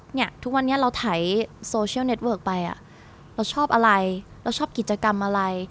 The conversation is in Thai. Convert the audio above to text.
เนี่ยทุกวันนี้เราถ่ายโซเชียลเน็ตเวิร์กไปอ่ะเราชอบอะไรเราชอบกิจกรรมอะไร